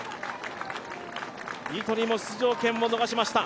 ニトリも出場権を逃しました。